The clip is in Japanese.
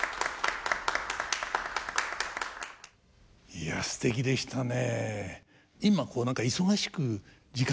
いやすてきでしたね。